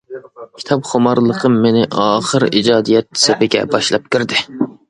كىتابخۇمارلىقىم مېنى ئاخىر ئىجادىيەت سېپىگە باشلاپ كىردى.